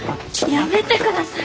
やめてください。